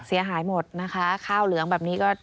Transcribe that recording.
เสียหายหมดนะคะข้าวเหลืองแบบนี้ก็